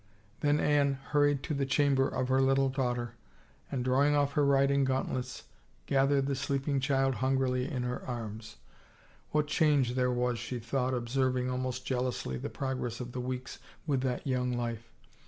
Then Anne hurried to the chamber of her little daugh ter, and, drawing off her riding gauntlets, gathered the sleeping child hungrily in her arms. What change there was, she thought, observing almost jealously the progress of the weeks with that young life.